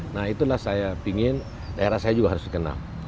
nah itulah saya ingin daerah saya juga harus dikenal